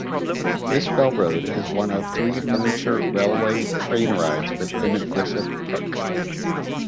This railroad is one of three miniature railway train rides within Griffith Park.